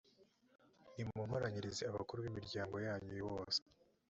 nimunkoranyirize abakuru b’imiryago yanyu bose,